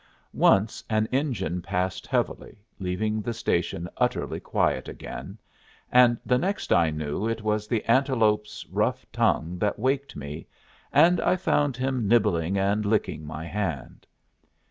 Once an engine passed heavily, leaving the station utterly quiet again, and the next I knew it was the antelope's rough tongue that waked me, and I found him nibbling and licking my hand.